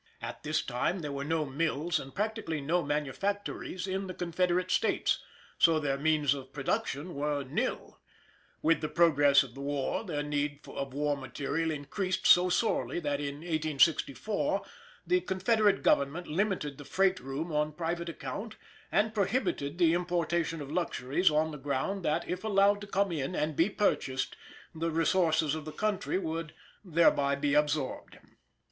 At this time there were no mills, and practically no manufactories in the Confederate States, so their means of production were nil. With the progress of the war their need of war material increased so sorely that in 1864 the Confederate Government limited the freight room on private account, and prohibited the importation of luxuries on the ground that if allowed to come in and be purchased the resources of the country would thereby be absorbed.